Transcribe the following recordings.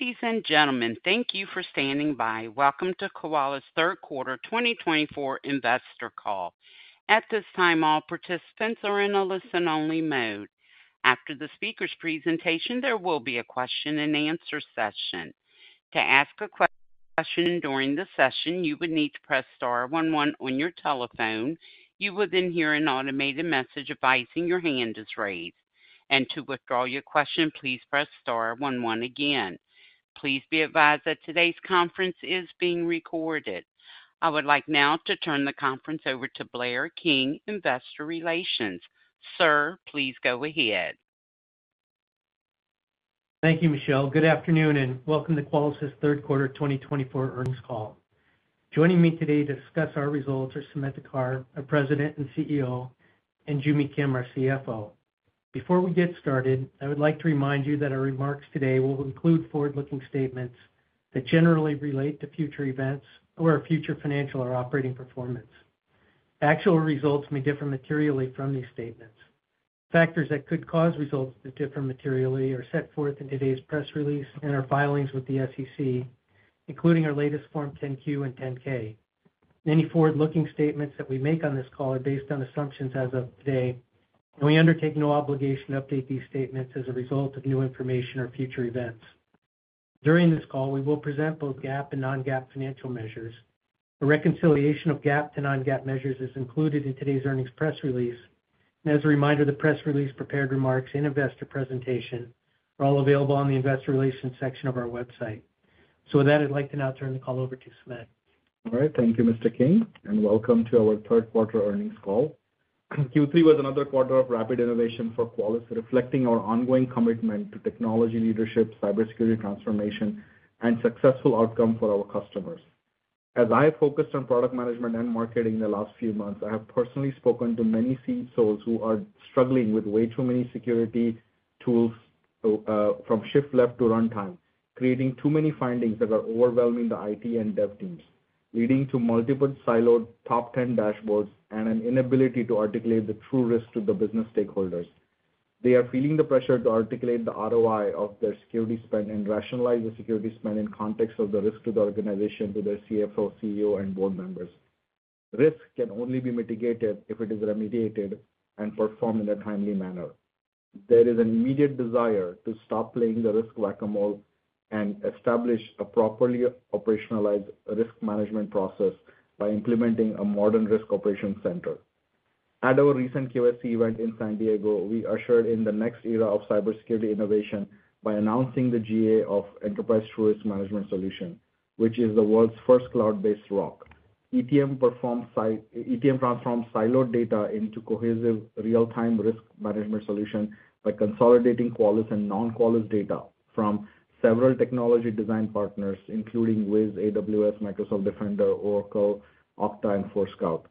Ladies and gentlemen, thank you for standing by. Welcome to Qualys Third Quarter 2024 Investor Call. At this time, all participants are in a listen-only mode. After the speaker's presentation, there will be a question-and-answer session. To ask a question during the session, you would need to press Star 11 on your telephone. You will then hear an automated message advising your hand is raised. And to withdraw your question, please press Star 11 again. Please be advised that today's conference is being recorded. I would like now to turn the conference over to Blair King, Investor Relations. Sir, please go ahead. Thank you, Michelle. Good afternoon and welcome to Qualys Third Quarter 2024 Earnings Call. Joining me today to discuss our results are Sumedh Thakar, our President and CEO, and Joo Mi Kim, our CFO. Before we get started, I would like to remind you that our remarks today will include forward-looking statements that generally relate to future events or our future financial or operating performance. Actual results may differ materially from these statements. Factors that could cause results to differ materially are set forth in today's press release and our filings with the SEC, including our latest Form 10-Q and 10-K. Any forward-looking statements that we make on this call are based on assumptions as of today, and we undertake no obligation to update these statements as a result of new information or future events. During this call, we will present both GAAP and non-GAAP financial measures. A reconciliation of GAAP to non-GAAP measures is included in today's earnings press release. And as a reminder, the press release, prepared remarks, and investor presentation are all available on the investor relations section of our website. So with that, I'd like to now turn the call over to Sumedh. All right. Thank you, Mr. King, and welcome to our Third Quarter Earnings Call. Q3 was another quarter of rapid innovation for Qualys, reflecting our ongoing commitment to technology leadership, cybersecurity transformation, and successful outcomes for our customers. As I have focused on product management and marketing in the last few months, I have personally spoken to many CISOs who are struggling with way too many security tools from shift left to runtime, creating too many findings that are overwhelming the IT and dev teams, leading to multiple siloed top 10 dashboards and an inability to articulate the TruRisk to the business stakeholders. They are feeling the pressure to articulate the ROI of their security spend and rationalize the security spend in context of the risk to the organization to their CFO, CEO, and board members. Risk can only be mitigated if it is remediated and performed in a timely manner. There is an immediate desire to stop playing the risk whack-a-mole and establish a properly operationalized risk management process by implementing a modern Risk Operations Center. At our recent QSC event in San Diego, we ushered in the next era of cybersecurity innovation by announcing the GA of Enterprise TruRisk Management Solution, which is the world's first cloud-based ROC. ETM transforms siloed data into a cohesive real-time risk management solution by consolidating Qualys and non-Qualys data from several technology design partners, including Wiz, AWS, Microsoft Defender, Oracle, Okta, and Forescout.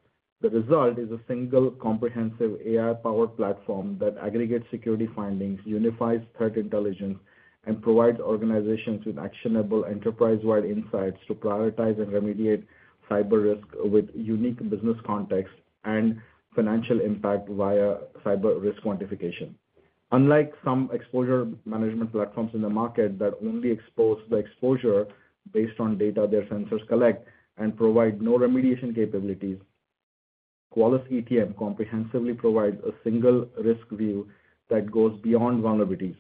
The result is a single comprehensive AI-powered platform that aggregates security findings, unifies threat intelligence, and provides organizations with actionable enterprise-wide insights to prioritize and remediate cyber risk with unique business context and financial impact via cyber risk quantification. Unlike some exposure management platforms in the market that only expose the exposure based on data their sensors collect and provide no remediation capabilities, Qualys ETM comprehensively provides a single risk view that goes beyond vulnerabilities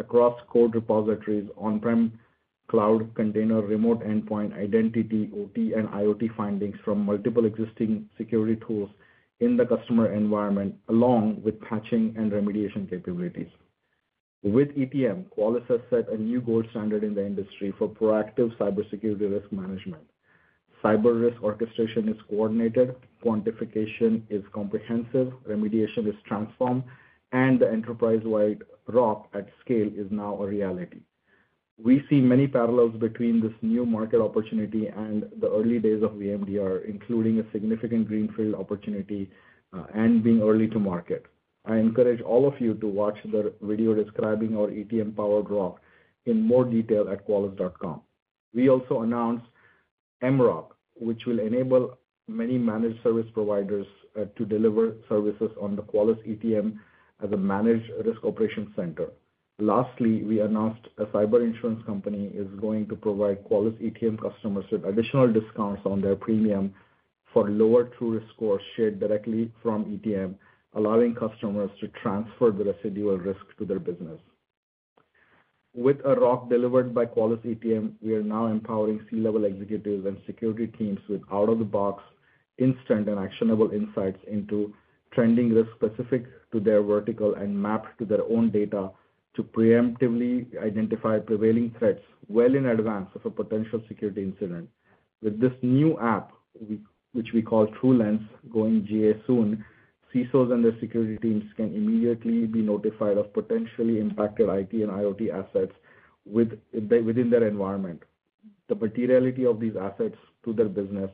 across code repositories, on-prem cloud container, remote endpoint, identity, OT, and IoT findings from multiple existing security tools in the customer environment, along with patching and remediation capabilities. With ETM, Qualys has set a new gold standard in the industry for proactive cybersecurity risk management. Cyber risk orchestration is coordinated, quantification is comprehensive, remediation is transformed, and the enterprise-wide ROC at scale is now a reality. We see many parallels between this new market opportunity and the early days of VMDR, including a significant greenfield opportunity and being early to market. I encourage all of you to watch the video describing our ETM-powered ROC in more detail at qualys.com. We also announced MROC, which will enable many managed service providers to deliver services on the Qualys ETM as a Managed Risk Operations Center. Lastly, we announced a cyber insurance company is going to provide Qualys ETM customers with additional discounts on their premium for lower TruRisk scores shared directly from ETM, allowing customers to transfer the residual risk to their business. With a ROC delivered by Qualys ETM, we are now empowering C-level executives and security teams with out-of-the-box, instant, and actionable insights into trending risk specific to their vertical and mapped to their own data to preemptively identify prevailing threats well in advance of a potential security incident. With this new app, which we call TruLens, going GA soon, CISOs and their security teams can immediately be notified of potentially impacted IT and IoT assets within their environment, the materiality of these assets to their business,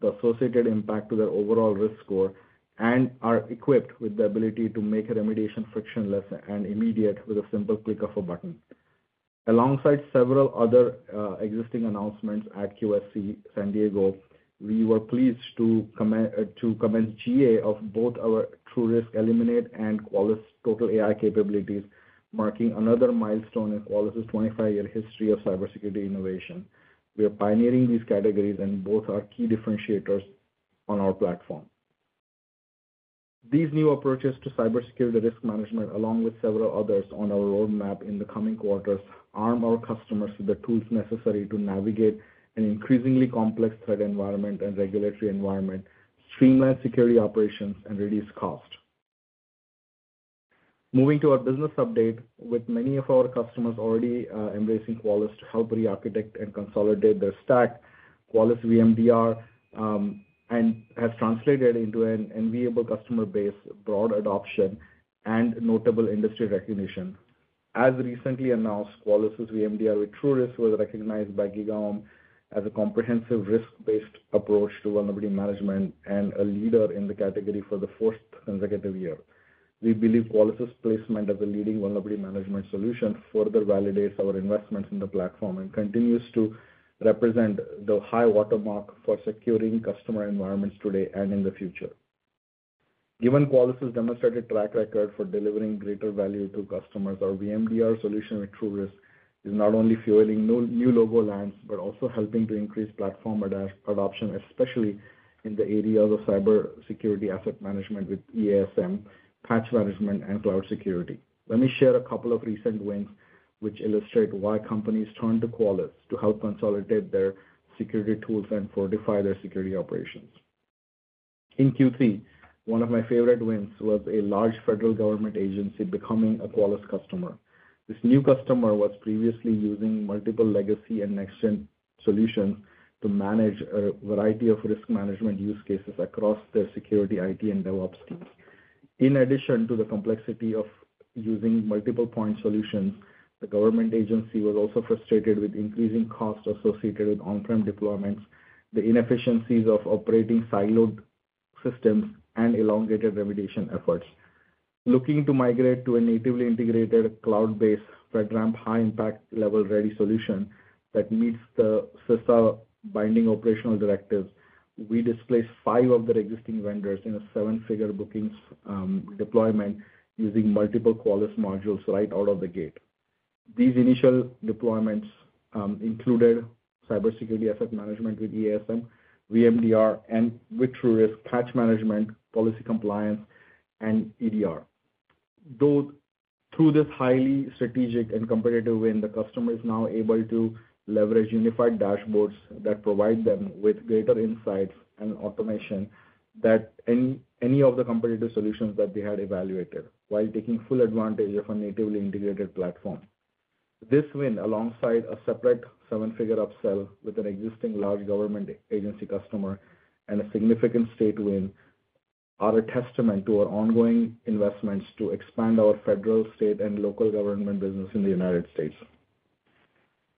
the associated impact to their overall risk score, and are equipped with the ability to make remediation frictionless and immediate with a simple click of a button. Alongside several other existing announcements at QSC San Diego, we were pleased to commence GA of both our TruRisk Eliminate and Qualys TotalAI capabilities, marking another milestone in Qualys 25-year history of cybersecurity innovation. We are pioneering these categories, and both are key differentiators on our platform. These new approaches to cybersecurity risk management, along with several others on our roadmap in the coming quarters, arm our customers with the tools necessary to navigate an increasingly complex threat environment and regulatory environment, streamline security operations, and reduce cost. Moving to our business update, with many of our customers already embracing Qualys to help re-architect and consolidate their stack, Qualys VMDR has translated into an enviable customer base, broad adoption, and notable industry recognition. As recently announced, Qualys VMDR with TruRisk was recognized by Gigaom as a comprehensive risk-based approach to vulnerability management and a leader in the category for the fourth consecutive year. We believe Qualys placement as a leading vulnerability management solution further validates our investments in the platform and continues to represent the high watermark for securing customer environments today and in the future. Given Qualys demonstrated track record for delivering greater value to customers, our VMDR solution with TruRisk is not only fueling new logo lands, but also helping to increase platform adoption, especially in the areas of CyberSecurity Asset Management with EASM, Patch Management, and cloud security. Let me share a couple of recent wins which illustrate why companies turn to Qualys to help consolidate their security tools and fortify their security operations. In Q3, one of my favorite wins was a large federal government agency becoming a Qualys customer. This new customer was previously using multiple legacy and next-gen solutions to manage a variety of risk management use cases across their security IT and DevOps teams. In addition to the complexity of using multiple point solutions, the government agency was also frustrated with increasing costs associated with on-prem deployments, the inefficiencies of operating siloed systems, and elongated remediation efforts. Looking to migrate to a natively integrated cloud-based FedRAMP High impact level ready solution that meets the CISA Binding Operational Directives, we displaced five of their existing vendors in a seven-figure bookings deployment using multiple Qualys modules right out of the gate. These initial deployments included CyberSecurity Asset Management with EASM, VMDR, and with TruRisk, Patch Management, Policy Compliance, and EDR. Through this highly strategic and competitive win, the customer is now able to leverage unified dashboards that provide them with greater insights and automation than any of the competitive solutions that they had evaluated while taking full advantage of a natively integrated platform. This win, alongside a separate seven-figure upsell with an existing large government agency customer and a significant state win, are a testament to our ongoing investments to expand our federal, state, and local government business in the United States.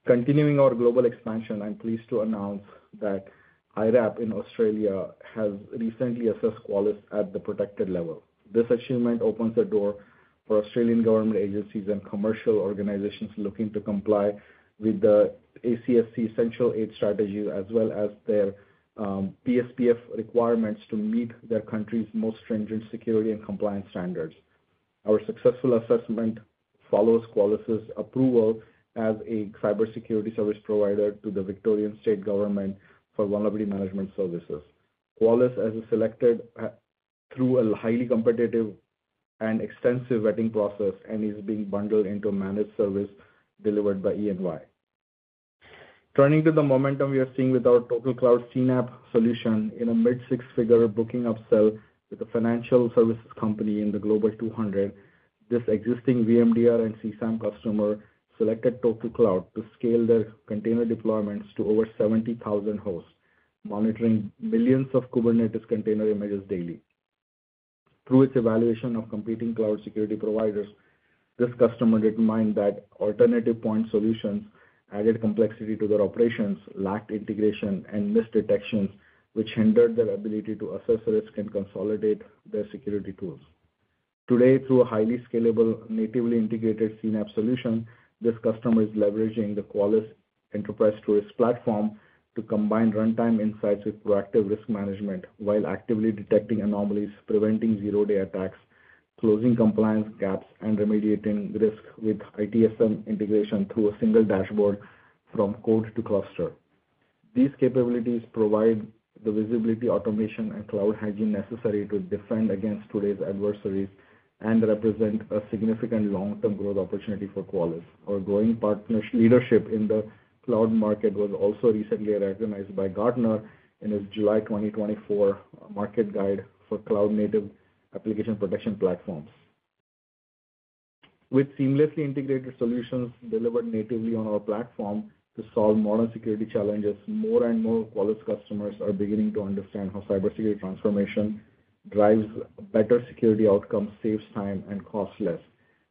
Continuing our global expansion, I'm pleased to announce that IRAP in Australia has recently assessed Qualys at the Protected level. This achievement opens the door for Australian government agencies and commercial organizations looking to comply with the ACSC Essential Eight, as well as their PSPF requirements to meet their country's most stringent security and compliance standards. Our successful assessment follows Qualys approval as a cybersecurity service provider to the Victorian State Government for vulnerability management services. Qualys has been selected through a highly competitive and extensive vetting process and is being bundled into a managed service delivered by EY. Turning to the momentum we are seeing with our TotalCloud CNAPP solution in a mid-six-figure booking upsell with a financial services company in the Global 200, this existing VMDR and CSAM customer selected TotalCloud to scale their container deployments to over 70,000 hosts, monitoring millions of Kubernetes container images daily. Through its evaluation of competing cloud security providers, this customer didn't mind that alternative point solutions added complexity to their operations, lacked integration, and missed detections, which hindered their ability to assess risk and consolidate their security tools. Today, through a highly scalable, natively integrated CNAPP solution, this customer is leveraging Qualys Enterprise TruRisk Platform to combine runtime insights with proactive risk management while actively detecting anomalies, preventing zero-day attacks, closing compliance gaps, and remediating risk with ITSM integration through a single dashboard from code to cluster. These capabilities provide the visibility, automation, and cloud hygiene necessary to defend against today's adversaries and represent a significant long-term growth opportunity for Qualys. Our growing partners' leadership in the cloud market was also recently recognized by Gartner in its July 2024 market guide for cloud-native application protection platforms. With seamlessly integrated solutions delivered natively on our platform to solve modern security challenges, more and more Qualys customers are beginning to understand how cybersecurity transformation drives better security outcomes, saves time, and costs less.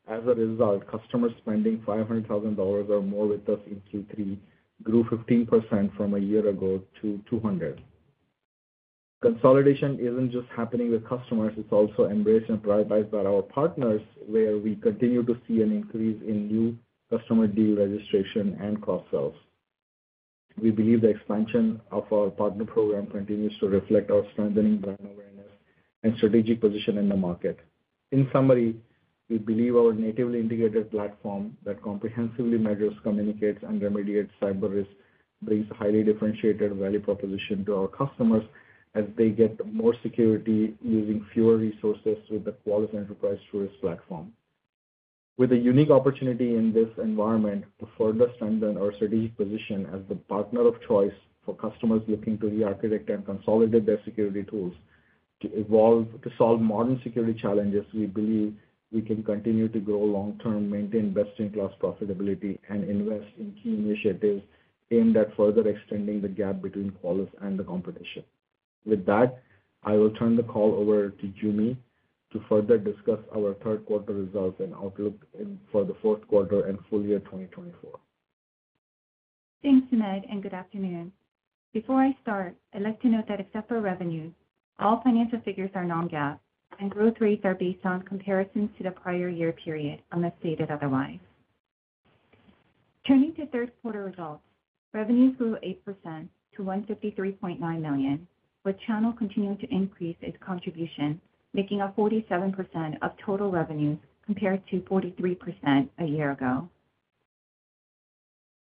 As a result, customers spending $500,000 or more with us in Q3 grew 15% from a year ago to 200. Consolidation isn't just happening with customers. It's also embraced and prioritized by our partners, where we continue to see an increase in new customer deal registration and cross-sells. We believe the expansion of our partner program continues to reflect our strengthening brand awareness and strategic position in the market. In summary, we believe our natively integrated platform that comprehensively measures, communicates, and remediates cyber risk brings a highly differentiated value proposition to our customers as they get more security using fewer resources with Qualys Enterprise TruRisk Platform. With a unique opportunity in this environment to further strengthen our strategic position as the partner of choice for customers looking to re-architect and consolidate their security tools to solve modern security challenges, we believe we can continue to grow long-term, maintain best-in-class profitability, and invest in key initiatives aimed at further extending the gap between Qualys and the competition. With that, I will turn the call over to Joo Mi to further discuss our third-quarter results and outlook for the fourth quarter and full year 2024. Thanks, Sumedh, and good afternoon. Before I start, I'd like to note that except for revenues, all financial figures are Non-GAAP, and growth rates are based on comparisons to the prior year period, unless stated otherwise. Turning to third-quarter results, revenues grew 8% to $153.9 million, with channel continuing to increase its contribution, making up 47% of total revenues compared to 43% a year ago.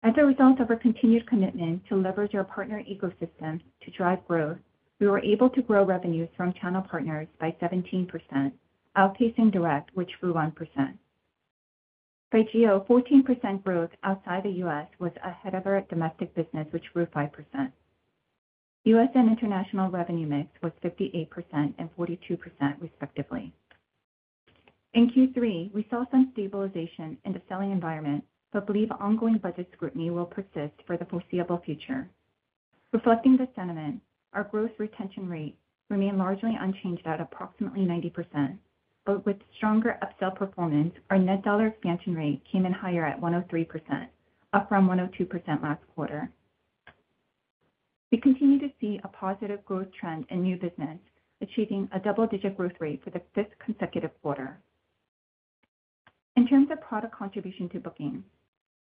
As a result of our continued commitment to leverage our partner ecosystem to drive growth, we were able to grow revenues from channel partners by 17%, outpacing direct, which grew 1%. By GEO, 14% growth outside the U.S. was ahead of our domestic business, which grew 5%. U.S. and international revenue mix was 58% and 42%, respectively. In Q3, we saw some stabilization in the selling environment, but believe ongoing budget scrutiny will persist for the foreseeable future. Reflecting the sentiment, our gross retention rate remained largely unchanged at approximately 90%, but with stronger upsell performance, our net dollar expansion rate came in higher at 103%, up from 102% last quarter. We continue to see a positive growth trend in new business, achieving a double-digit growth rate for the fifth consecutive quarter. In terms of product contribution to booking,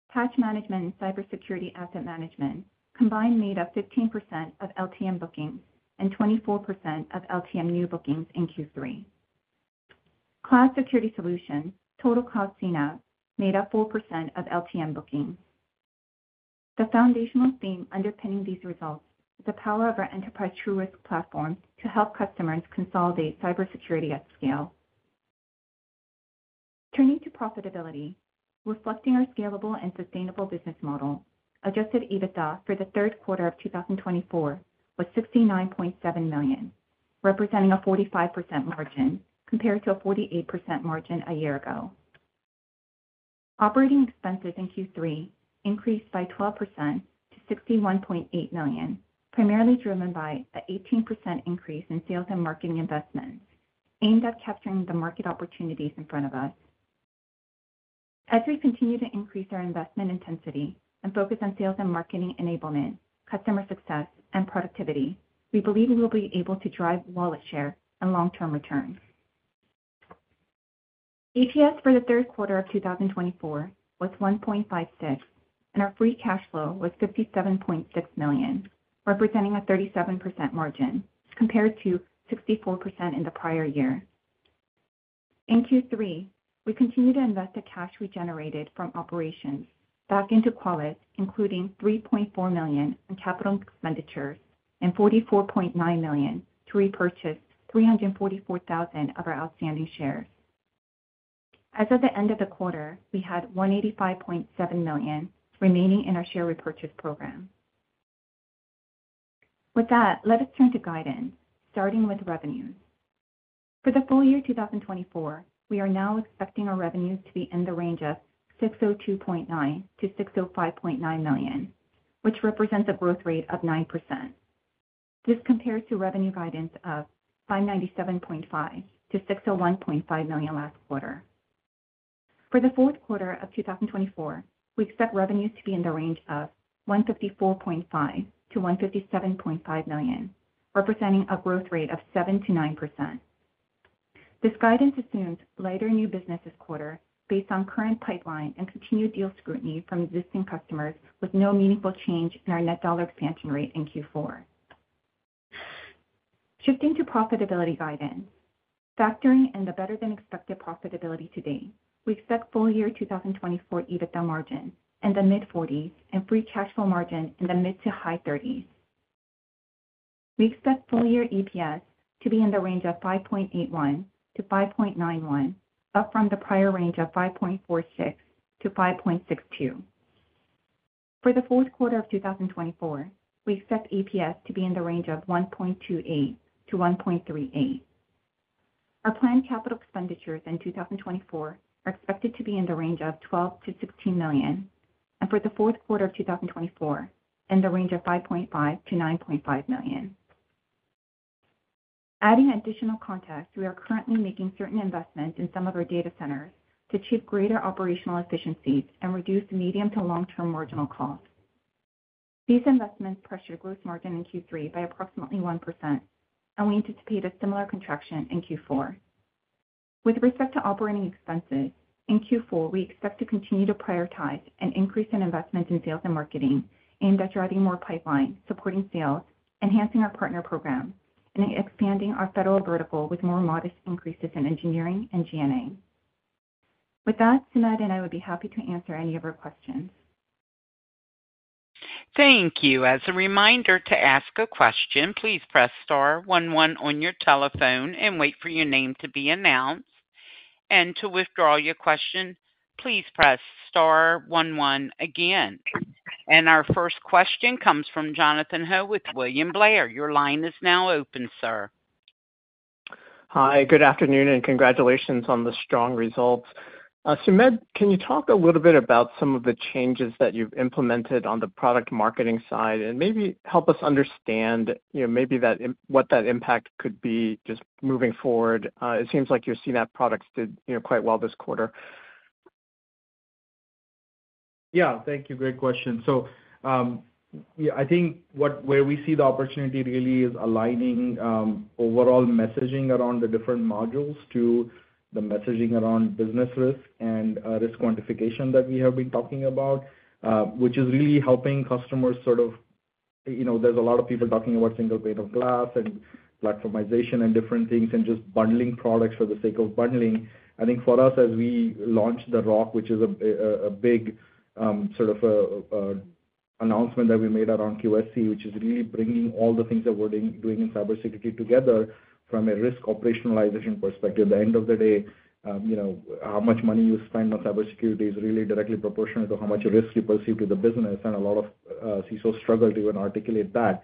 Patch Management and CyberSecurity Asset Management combined made up 15% of LTM bookings and 24% of LTM new bookings in Q3. Cloud security solution, TotalCloud CNAPP, made up 4% of LTM bookings. The foundational theme underpinning these results is the power of our Enterprise TruRisk Platform to help customers consolidate cybersecurity at scale. Turning to profitability, reflecting our scalable and sustainable business model, adjusted EBITDA for the third quarter of 2024 was $69.7 million, representing a 45% margin compared to a 48% margin a year ago. Operating expenses in Q3 increased by 12% to $61.8 million, primarily driven by an 18% increase in sales and marketing investments aimed at capturing the market opportunities in front of us. As we continue to increase our investment intensity and focus on sales and marketing enablement, customer success, and productivity, we believe we will be able to drive wallet share and long-term returns. EPS for the third quarter of 2024 was $1.56, and our free cash flow was $57.6 million, representing a 37% margin compared to 64% in the prior year. In Q3, we continued to invest the cash we generated from operations back into Qualys, including $3.4 million in capital expenditures and $44.9 million to repurchase 344,000 of our outstanding shares. As of the end of the quarter, we had $185.7 million remaining in our share repurchase program. With that, let us turn to guidance, starting with revenues. For the full year 2024, we are now expecting our revenues to be in the range of $602.9 million-$605.9 million, which represents a growth rate of 9%. This compares to revenue guidance of $597.5 million-$601.5 million last quarter. For the fourth quarter of 2024, we expect revenues to be in the range of $154.5 million-$157.5 million, representing a growth rate of 7%-9%. This guidance assumes lighter new business this quarter based on current pipeline and continued deal scrutiny from existing customers, with no meaningful change in our net dollar expansion rate in Q4. Shifting to profitability guidance, factoring in the better-than-expected profitability today, we expect full year 2024 EBITDA margin in the mid-40s and free cash flow margin in the mid to high 30s. We expect full year EPS to be in the range of $5.81-$5.91, up from the prior range of $5.46-$5.62. For the fourth quarter of 2024, we expect EPS to be in the range of $1.28-$1.38. Our planned capital expenditures in 2024 are expected to be in the range of $12-$16 million, and for the fourth quarter of 2024, in the range of $5.5-$9.5 million. Adding additional context, we are currently making certain investments in some of our data centers to achieve greater operational efficiencies and reduce medium to long-term marginal costs. These investments pressure gross margin in Q3 by approximately 1%, and we anticipate a similar contraction in Q4. With respect to operating expenses, in Q4, we expect to continue to prioritize and increase investments in sales and marketing aimed at driving more pipeline, supporting sales, enhancing our partner program, and expanding our federal vertical with more modest increases in engineering and G&A. With that, Sumedh and I would be happy to answer any of your questions. Thank you. As a reminder to ask a question, please press star 11 on your telephone and wait for your name to be announced. And to withdraw your question, please press star 11 again. And our first question comes from Jonathan Ho with William Blair. Your line is now open, sir. Hi, good afternoon, and congratulations on the strong results. Sumedh, can you talk a little bit about some of the changes that you've implemented on the product marketing side and maybe help us understand maybe what that impact could be just moving forward? It seems like your CNAPP products did quite well this quarter. Yeah, thank you. Great question. So I think where we see the opportunity really is aligning overall messaging around the different modules to the messaging around business risk and risk quantification that we have been talking about, which is really helping customers sort of there's a lot of people talking about single pane of glass and platformization and different things and just bundling products for the sake of bundling. I think for us, as we launched the ROC, which is a big sort of announcement that we made around QSC, which is really bringing all the things that we're doing in cybersecurity together from a risk operationalization perspective. At the end of the day, how much money you spend on cybersecurity is really directly proportional to how much risk you perceive to the business, and a lot of CISOs struggle to even articulate that.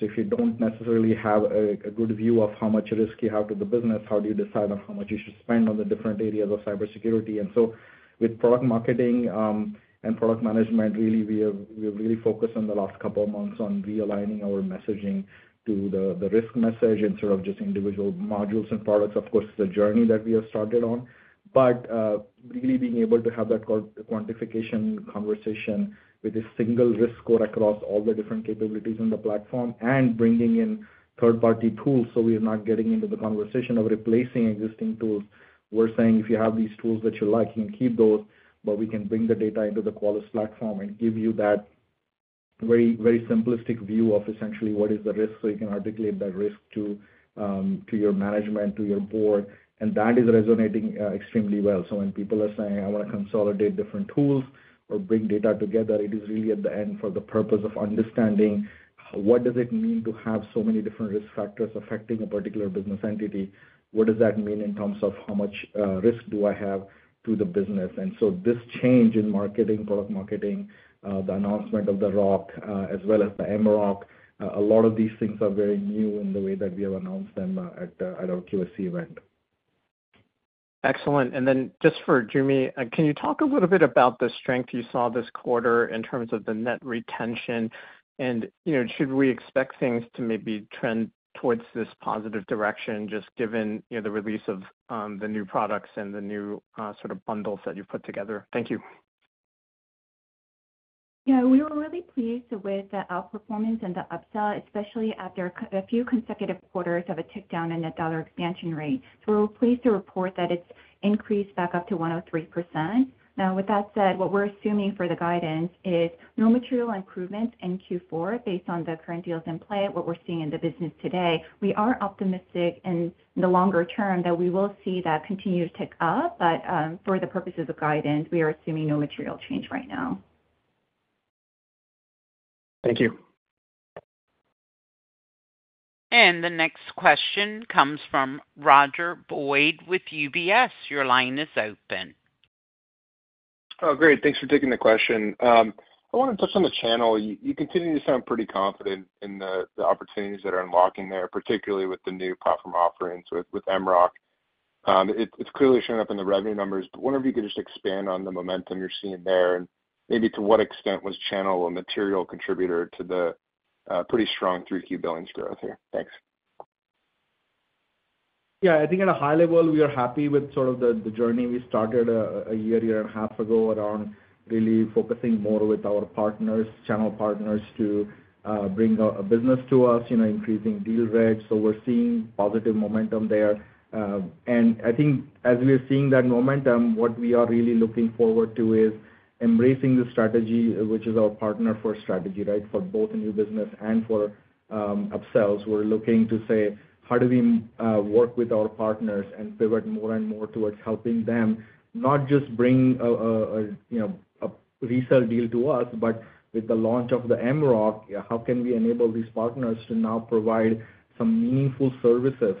So if you don't necessarily have a good view of how much risk you have to the business, how do you decide on how much you should spend on the different areas of cybersecurity? And so with product marketing and product management, really, we have really focused in the last couple of months on realigning our messaging to the risk message instead of just individual modules and products. Of course, it's a journey that we have started on, but really being able to have that quantification conversation with a single risk score across all the different capabilities in the platform and bringing in third-party tools so we are not getting into the conversation of replacing existing tools. We're saying if you have these tools that you're liking, keep those, but we can bring the data into the Qualys platform and give you that very simplistic view of essentially what is the risk so you can articulate that risk to your management, to your board, and that is resonating extremely well, so when people are saying, "I want to consolidate different tools or bring data together," it is really at the end for the purpose of understanding what does it mean to have so many different risk factors affecting a particular business entity? What does that mean in terms of how much risk do I have to the business? And so this change in marketing, product marketing, the announcement of the ROC, as well as the MROC, a lot of these things are very new in the way that we have announced them at our QSC event. Excellent. And then just for Joo Mi, can you talk a little bit about the strength you saw this quarter in terms of the net retention? And should we expect things to maybe trend towards this positive direction just given the release of the new products and the new sort of bundles that you put together? Thank you. Yeah, we were really pleased with the outperformance and the upsell, especially after a few consecutive quarters of a tick down in the dollar expansion rate. So we're pleased to report that it's increased back up to 103%. Now, with that said, what we're assuming for the guidance is no material improvements in Q4 based on the current deals in play, what we're seeing in the business today. We are optimistic in the longer term that we will see that continue to tick up, but for the purposes of guidance, we are assuming no material change right now. Thank you. And the next question comes from Roger Boyd with UBS. Your line is open. Oh, great. Thanks for taking the question. I want to touch on the channel. You continue to sound pretty confident in the opportunities that are unlocking there, particularly with the new platform offerings with MROC. It's clearly showing up in the revenue numbers, but wonder if you could just expand on the momentum you're seeing there and maybe to what extent was channel a material contributor to the pretty strong 30% billings growth here. Thanks. Yeah, I think at a high level, we are happy with sort of the journey we started a year, year and a half ago around really focusing more with our partners, channel partners, to bring a business to us, increasing deal rates. So we're seeing positive momentum there. And I think as we are seeing that momentum, what we are really looking forward to is embracing the strategy, which is our partner-first strategy, right, for both new business and for upsells. We're looking to say, how do we work with our partners and pivot more and more towards helping them, not just bring a resale deal to us, but with the launch of the MROC, how can we enable these partners to now provide some meaningful services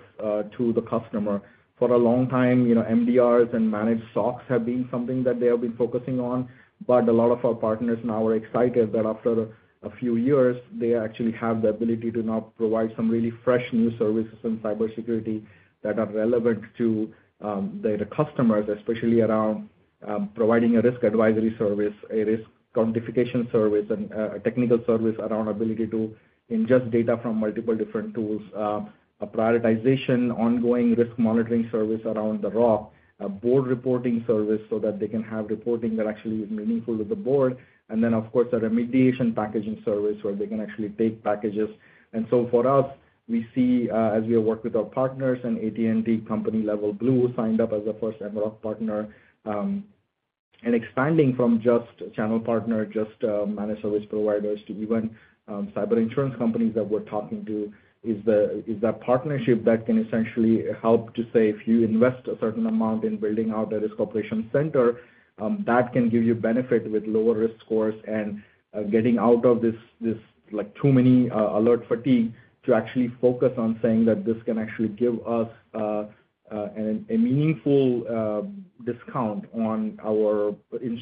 to the customer? For a long time, MDRs and managed SOCs have been something that they have been focusing on, but a lot of our partners now are excited that after a few years, they actually have the ability to now provide some really fresh new services in cybersecurity that are relevant to their customers, especially around providing a risk advisory service, a risk quantification service, and a technical service around ability to ingest data from multiple different tools, a prioritization, ongoing risk monitoring service around the ROC, a board reporting service so that they can have reporting that actually is meaningful to the board, and then, of course, a remediation packaging service where they can actually take packages. And so for us, we see, as we have worked with our partners and AT&T's LevelBlue signed up as the first MROC partner and expanding from just channel partner, just managed service providers to even cyber insurance companies that we're talking to, is that partnership that can essentially help to say if you invest a certain amount in building out a Risk Operations Center, that can give you benefit with lower risk scores and getting out of this too many alert fatigue to actually focus on saying that this can actually give us a meaningful discount on our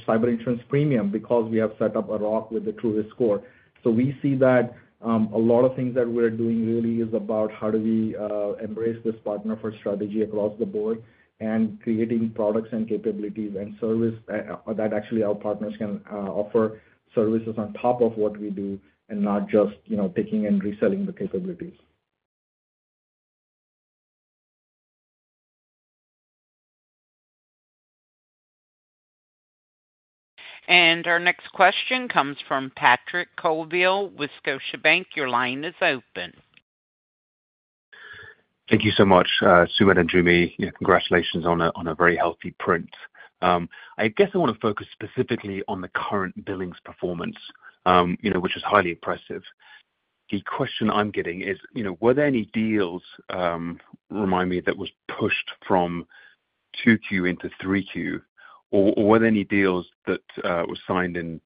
cyber insurance premium because we have set up a ROC with a TruRisk score. So we see that a lot of things that we're doing really is about how do we embrace this partner for strategy across the board and creating products and capabilities and service that actually our partners can offer services on top of what we do and not just picking and reselling the capabilities. Our next question comes from Patrick Colville, Scotiabank. Your line is open. Thank you so much, Sumedh and Joo Mi. Congratulations on a very healthy print. I guess I want to focus specifically on the current billings performance, which is highly impressive. The question I'm getting is, were there any deals, remind me, that were pushed from 2Q into 3Q, or were there any deals that were signed in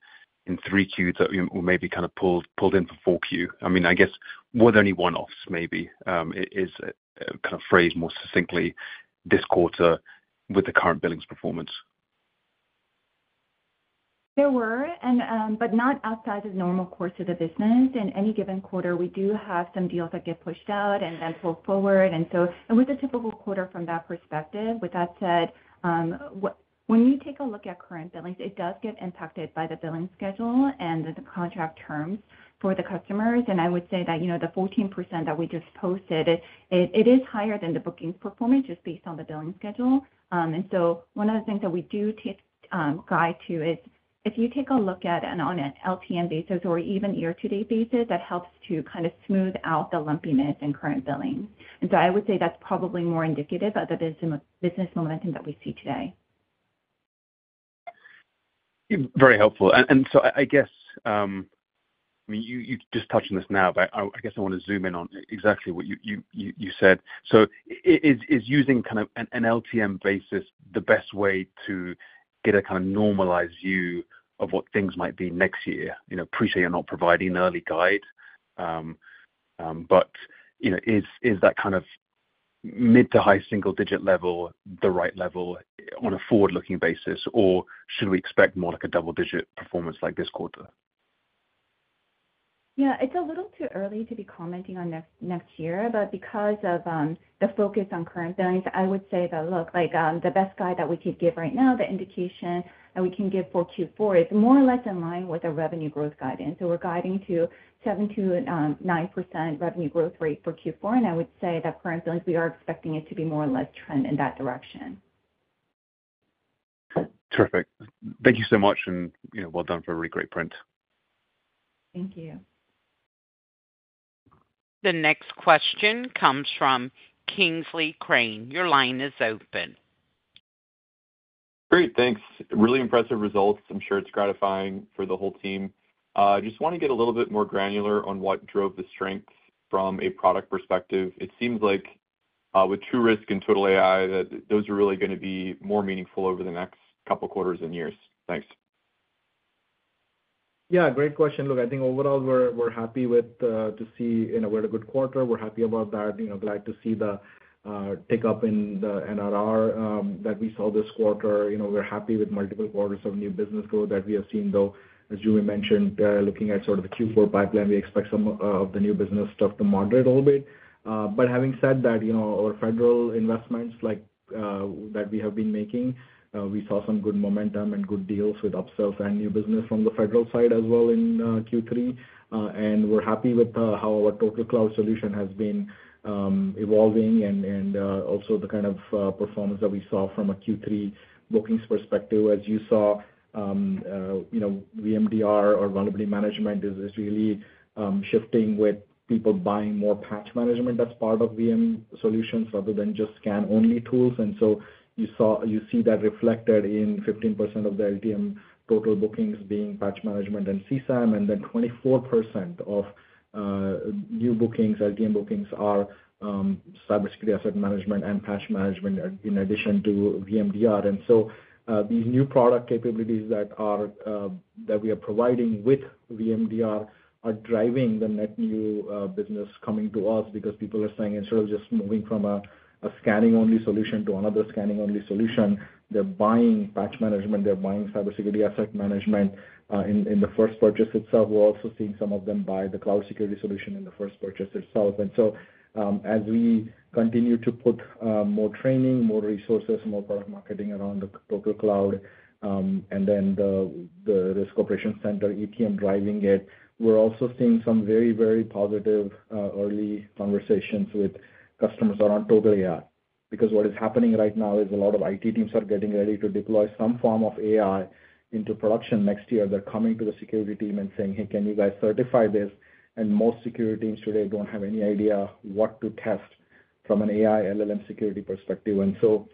3Q that were maybe kind of pulled in for 4Q? I mean, I guess were there any one-offs maybe, is a kind of phrase more succinctly, this quarter with the current billings performance? There were, but not outside the normal course of the business. In any given quarter, we do have some deals that get pushed out and then pulled forward, and so it was a typical quarter from that perspective. With that said, when you take a look at current billings, it does get impacted by the billing schedule and the contract terms for the customers, and I would say that the 14% that we just posted, it is higher than the booking performance just based on the billing schedule. One of the things that we do take guidance to is if you take a look at it on an LTM basis or even year-to-date basis, that helps to kind of smooth out the lumpiness in current billing. So I would say that's probably more indicative of the business momentum that we see today. Very helpful. So I guess, I mean, you're just touching this now, but I guess I want to zoom in on exactly what you said. Is using kind of an LTM basis the best way to get a kind of normalized view of what things might be next year? Appreciate you're not providing an early guide, but is that kind of mid- to high-single-digit level the right level on a forward-looking basis, or should we expect more like a double-digit performance like this quarter? Yeah, it's a little too early to be commenting on next year, but because of the focus on current billings, I would say that, look, the best guide that we could give right now, the indication that we can give for Q4 is more or less in line with the revenue growth guidance. So we're guiding to 7%-9% revenue growth rate for Q4, and I would say that current billings, we are expecting it to be more or less trend in that direction. Terrific. Thank you so much, and well done for a really great print. Thank you. The next question comes from Kingsley Crane. Your line is open. Great. Thanks. Really impressive results. I'm sure it's gratifying for the whole team. Just want to get a little bit more granular on what drove the strength from a product perspective. It seems like with TruRisk and TotalAI, those are really going to be more meaningful over the next couple of quarters and years. Thanks. Yeah, great question. Look, I think overall, we're happy to see we had a good quarter. We're happy about that. Glad to see the tick up in the NRR that we saw this quarter. We're happy with multiple quarters of new business growth that we have seen, though, as Joo Mi mentioned, looking at sort of the Q4 pipeline, we expect some of the new business stuff to moderate a little bit. But having said that, our federal investments that we have been making, we saw some good momentum and good deals with upsells and new business from the federal side as well in Q3. And we're happy with how our total cloud solution has been evolving and also the kind of performance that we saw from a Q3 bookings perspective. As you saw, VMDR or vulnerability management is really shifting with people buying more Patch Management as part of VM solutions rather than just scan-only tools. And so you see that reflected in 15% of the LTM total bookings being Patch Management and CSAM, and then 24% of new bookings. LTM bookings are CyberSecurity Asset Management and Patch Management in addition to VMDR. And so these new product capabilities that we are providing with VMDR are driving the net new business coming to us because people are saying instead of just moving from a scanning-only solution to another scanning-only solution, they're buying Patch Management, they're buying CyberSecurity Asset Management in the first purchase itself. We're also seeing some of them buy the cloud security solution in the first purchase itself. And so as we continue to put more training, more resources, more product marketing around the TotalCloud, and then the Risk Operations Center, ETM driving it, we're also seeing some very, very positive early conversations with customers around TotalAI because what is happening right now is a lot of IT teams are getting ready to deploy some form of AI into production next year. They're coming to the security team and saying, "Hey, can you guys certify this?" And most security teams today don't have any idea what to test from an AI LLM security perspective. And so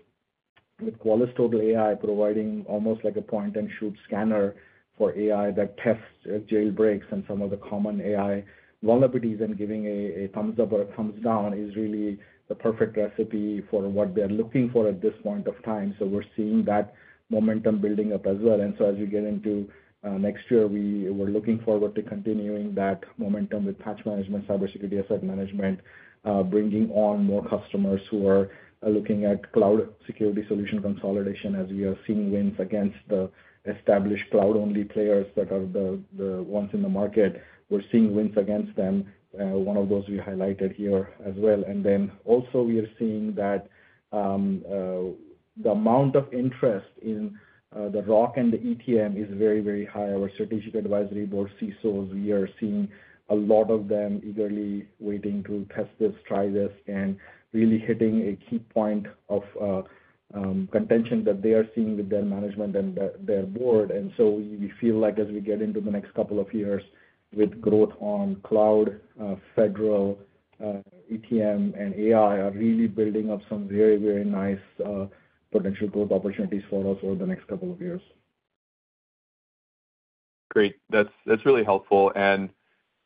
with Qualys TotalAI providing almost like a point-and-shoot scanner for AI that tests jailbreaks and some of the common AI vulnerabilities and giving a thumbs up or a thumbs down is really the perfect recipe for what they're looking for at this point of time. So we're seeing that momentum building up as well. And so as we get into next year, we're looking forward to continuing that momentum with Patch Management, CyberSecurity Asset Management, bringing on more customers who are looking at cloud security solution consolidation as we are seeing wins against the established cloud-only players that are the ones in the market. We're seeing wins against them. One of those we highlighted here as well. And then also we are seeing that the amount of interest in the ROC and the ETM is very, very high. Our strategic advisory board, CSOs, we are seeing a lot of them eagerly waiting to test this, try this, and really hitting a key point of contention that they are seeing with their management and their board. And so we feel like as we get into the next couple of years with growth on cloud, federal, ETM, and AI are really building up some very, very nice potential growth opportunities for us over the next couple of years. Great. That's really helpful. And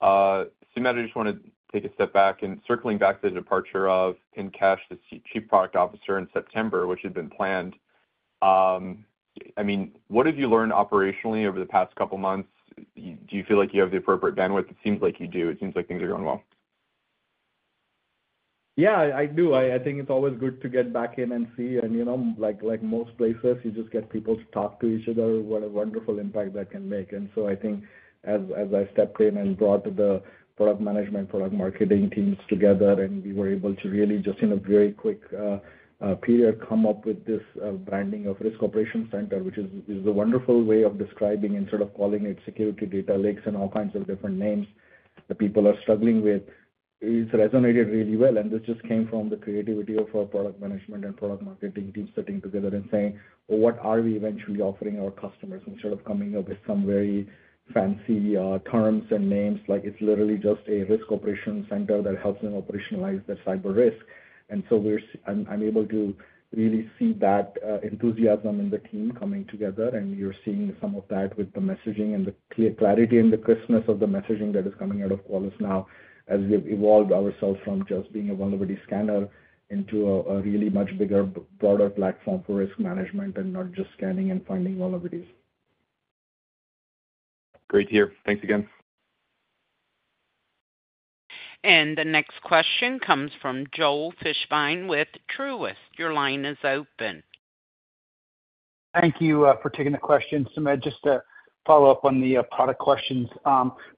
Sumedh, I just want to take a step back and circling back to the departure of Pinkesh Shah, the Chief Product Officer in September, which had been planned. I mean, what have you learned operationally over the past couple of months? Do you feel like you have the appropriate bandwidth? It seems like you do. It seems like things are going well. Yeah, I do. I think it's always good to get back in and see. Like most places, you just get people to talk to each other. What a wonderful impact that can make. So I think as I stepped in and brought the product management, product marketing teams together, and we were able to really just in a very quick period come up with this branding of Risk Operations Center, which is a wonderful way of describing instead of calling it security data lakes and all kinds of different names that people are struggling with. It's resonated really well. This just came from the creativity of our product management and product marketing teams sitting together and saying, "What are we eventually offering our customers?" Instead of coming up with some very fancy terms and names, like it's literally just a Risk Operations Center that helps them operationalize their cyber risk. And so I'm able to really see that enthusiasm in the team coming together, and you're seeing some of that with the messaging and the clarity and the crispness of the messaging that is coming out of Qualys now as we've evolved ourselves from just being a vulnerability scanner into a really much bigger, broader platform for risk management and not just scanning and finding vulnerabilities. Great to hear. Thanks again. And the next question comes from Joel Fishbein with Truist. Your line is open. Thank you for taking the question. Sumedh, just to follow up on the product questions.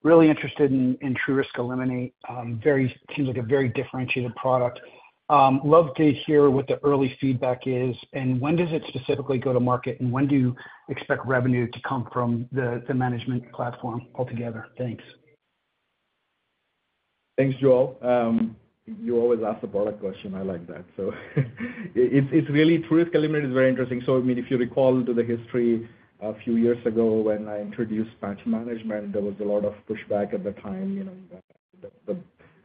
Really interested in TruRisk Eliminate. Seems like a very differentiated product. Love to hear what the early feedback is, and when does it specifically go to market, and when do you expect revenue to come from the management platform altogether? Thanks. Thanks, Joel. You always ask the product question. I like that. So it's really TruRisk Eliminate, which is very interesting. So I mean, if you recall to the history a few years ago when I introduced Patch Management, there was a lot of pushback at the time. The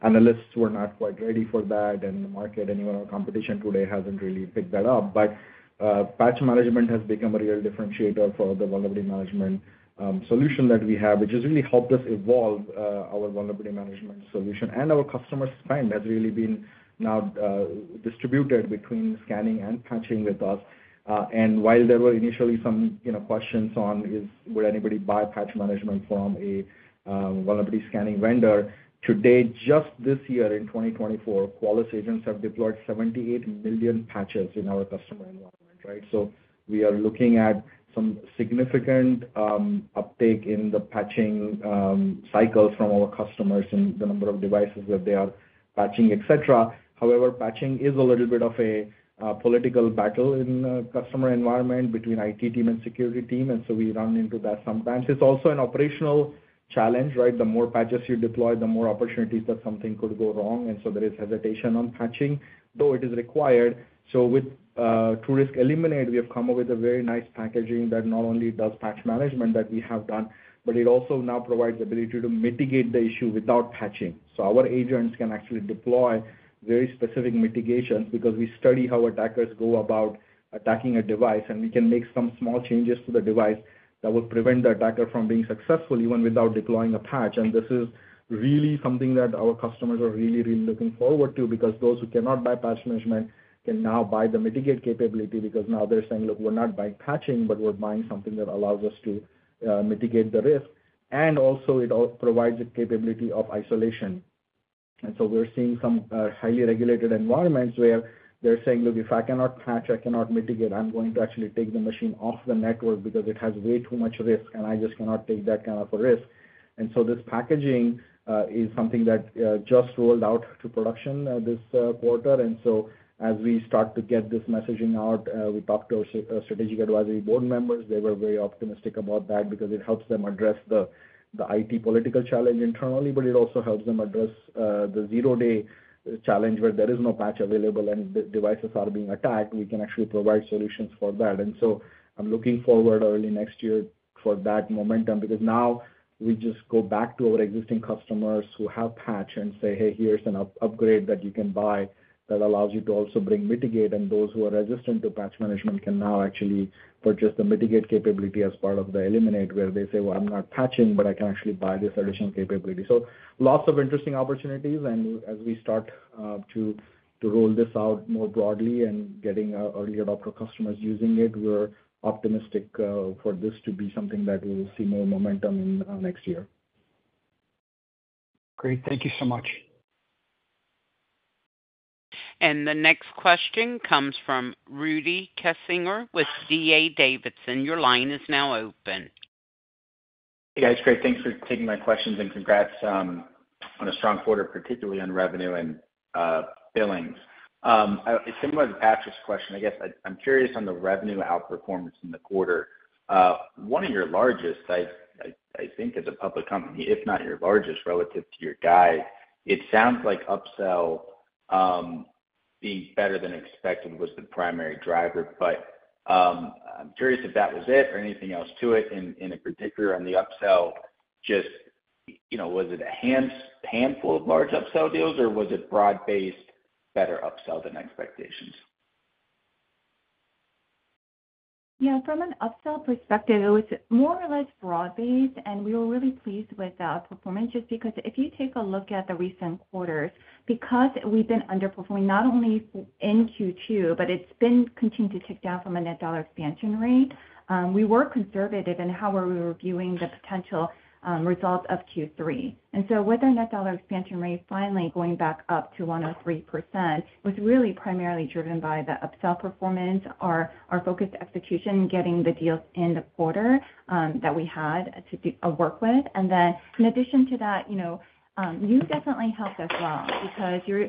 analysts were not quite ready for that, and the market and even our competition today hasn't really picked that up. But Patch Management has become a real differentiator for the vulnerability management solution that we have, which has really helped us evolve our vulnerability management solution. And our customer spend has really been now distributed between scanning and patching with us. And while there were initially some questions on, "Would anybody buy Patch Management from a vulnerability scanning vendor?" Today, just this year in 2024, Qualys agents have deployed 78 million patches in our customer environment, right? So we are looking at some significant uptake in the patching cycles from our customers and the number of devices that they are patching, etc. However, patching is a little bit of a political battle in the customer environment between IT team and security team, and so we run into that sometimes. It's also an operational challenge, right? The more patches you deploy, the more opportunities that something could go wrong. And so there is hesitation on patching, though it is required. So with TruRisk Eliminate, we have come up with a very nice packaging that not only does Patch Management that we have done, but it also now provides the ability to mitigate the issue without patching. So our agents can actually deploy very specific mitigations because we study how attackers go about attacking a device, and we can make some small changes to the device that will prevent the attacker from being successful even without deploying a patch. And this is really something that our customers are really, really looking forward to because those who cannot buy Patch Management can now buy the mitigate capability because now they're saying, "Look, we're not buying patching, but we're buying something that allows us to mitigate the risk." And also, it provides a capability of isolation. And so we're seeing some highly regulated environments where they're saying, "Look, if I cannot patch, I cannot mitigate. I'm going to actually take the machine off the network because it has way too much risk, and I just cannot take that kind of a risk." and so this packaging is something that just rolled out to production this quarter. and so as we start to get this messaging out, we talked to our strategic advisory board members. They were very optimistic about that because it helps them address the IT political challenge internally, but it also helps them address the zero-day challenge where there is no patch available and devices are being attacked. We can actually provide solutions for that. And so I'm looking forward early next year for that momentum because now we just go back to our existing customers who have patch and say, "Hey, here's an upgrade that you can buy that allows you to also bring mitigate." And those who are resistant to Patch Management can now actually purchase the mitigate capability as part of the Eliminate where they say, "Well, I'm not patching, but I can actually buy this additional capability." So lots of interesting opportunities. And as we start to roll this out more broadly and getting early adopter customers using it, we're optimistic for this to be something that we'll see more momentum in next year. Great. Thank you so much. And the next question comes from Rudy Kessinger with D.A. Davidson. Your line is now open. Hey, guys. Great. Thanks for taking my questions and congrats on a strong quarter, particularly on revenue and billing. It's similar to Patrick's question. I guess I'm curious on the revenue outperformance in the quarter. One of your largest, I think as a public company, if not your largest relative to your guide, it sounds like upsell being better than expected was the primary driver. But I'm curious if that was it or anything else to it. And in particular, on the upsell, just was it a handful of large upsell deals, or was it broad-based, better upsell than expectations? Yeah. From an upsell perspective, it was more or less broad-based, and we were really pleased with our performance just because if you take a look at the recent quarters, because we've been underperforming not only in Q2, but it's been continuing to tick down from a net dollar expansion rate. We were conservative in how we were reviewing the potential result of Q3, and so with our net dollar expansion rate finally going back up to 103%, it was really primarily driven by the upsell performance, our focused execution, getting the deals in the quarter that we had to work with, and then in addition to that, you definitely helped us well because you're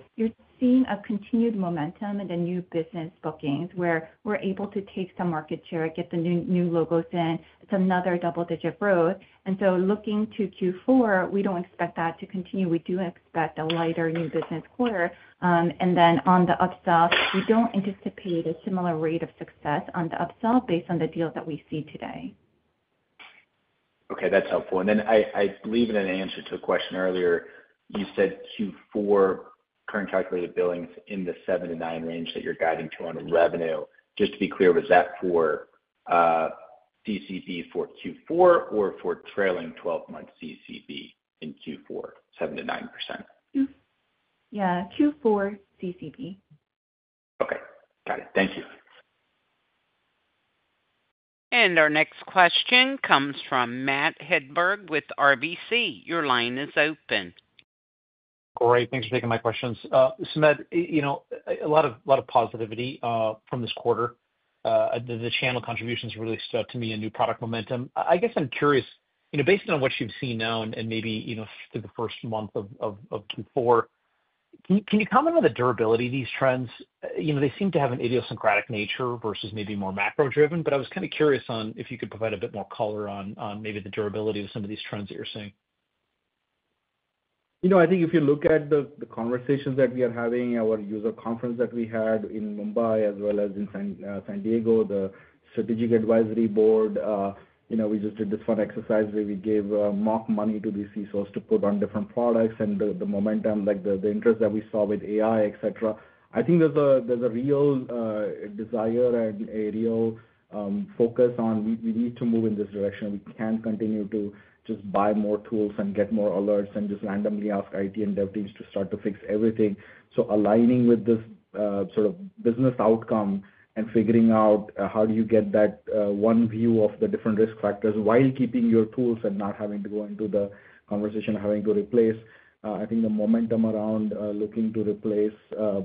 seeing a continued momentum and then new business bookings where we're able to take some market share, get the new logos in. It's another double-digit growth, and so looking to Q4, we don't expect that to continue. We do expect a lighter new business quarter, and then on the upsell, we don't anticipate a similar rate of success on the upsell based on the deals that we see today. Okay. That's helpful. And then I believe in an answer to a question earlier, you said Q4 current calculated billings in the 7 to 9 range that you're guiding to on revenue. Just to be clear, was that for CCB for Q4 or for trailing 12-month CCB in Q4, 7%-9%? Yeah. Q4 CCB. Okay. Got it. Thank you. And our next question comes from Matt Hedberg with RBC. Your line is open. Great. Thanks for taking my questions. Sumedh, a lot of positivity from this quarter. The channel contributions really stood out to me in new product momentum. I guess I'm curious, based on what you've seen now and maybe through the first month of Q4, can you comment on the durability of these trends? They seem to have an idiosyncratic nature versus maybe more macro-driven, but I was kind of curious on if you could provide a bit more color on maybe the durability of some of these trends that you're seeing? I think if you look at the conversations that we are having, our user conference that we had in Mumbai as well as in San Diego, the strategic advisory board, we just did this fun exercise where we gave mock money to these CSOs to put on different products and the momentum, the interest that we saw with AI, etc. I think there's a real desire and a real focus on we need to move in this direction. We can't continue to just buy more tools and get more alerts and just randomly ask IT and dev teams to start to fix everything. So aligning with this sort of business outcome and figuring out how do you get that one view of the different risk factors while keeping your tools and not having to go into the conversation of having to replace. I think the momentum around looking to replace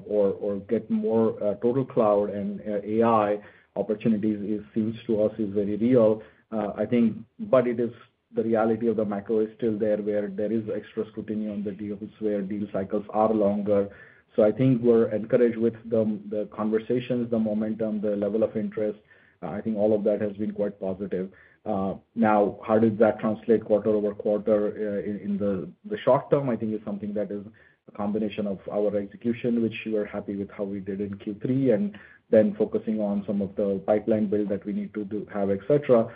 or get more TotalCloud and AI opportunities seems to us is very real. I think, but the reality of the macro is still there where there is extra scrutiny on the deals where deal cycles are longer. So I think we're encouraged with the conversations, the momentum, the level of interest. I think all of that has been quite positive. Now, how does that translate quarter over quarter in the short term? I think it's something that is a combination of our execution, which we were happy with how we did in Q3, and then focusing on some of the pipeline build that we need to have, etc.